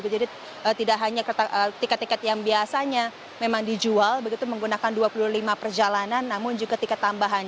jadi tidak hanya tiket tiket yang biasanya memang dijual begitu menggunakan dua puluh lima perjalanan namun juga tiket tambahan